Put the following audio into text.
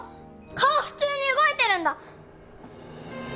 顔普通に動いてるんだ！